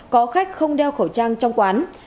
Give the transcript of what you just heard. có khách không đeo khẩu trang trong quán